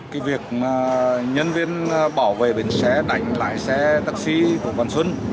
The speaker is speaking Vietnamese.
cái việc nhân viên bảo vệ bến xe đánh lại xe taxi của vạn xuân